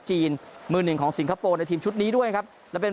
มือหนึ่งของสิงคโปร์ในทีมชุดนี้ด้วยครับแล้วเป็น